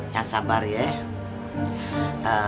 yang sabar ya